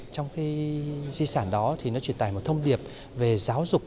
trong di sản đó nó truyền tài một thông điệp về giáo dục